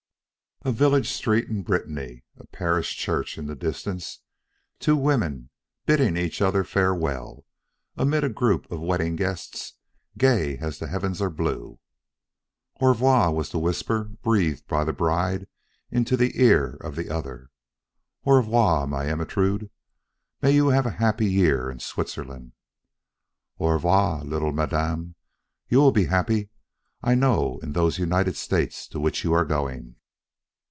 A village street in Britanny; a parish church in the distance; two women bidding each other farewell amid a group of wedding guests, gay as the heavens are blue. "Au revoir!" was the whisper breathed by the bride into the ear of the other. "Au revoir, my Ermentrude. May you have a happy year in Switzerland!" "Au revoir! little Madame. You will be happy I know in those United States to which you are going."